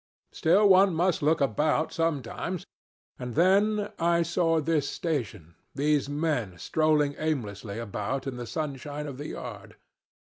Still, one must look about sometimes; and then I saw this station, these men strolling aimlessly about in the sunshine of the yard.